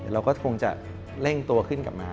เราก็คงจะเร่งตัวขึ้นกลับมา